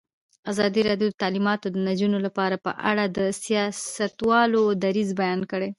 ازادي راډیو د تعلیمات د نجونو لپاره په اړه د سیاستوالو دریځ بیان کړی.